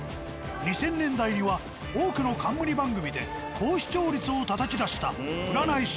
２０００年代には多くの冠番組で高視聴率をたたき出した占い師